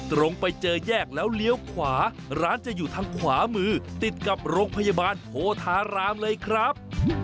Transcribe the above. ตรงไปเจอแยกแล้วเลี้ยวขวาร้านจะอยู่ทางขวามือติดกับโรงพยาบาลโพธารามเลยครับ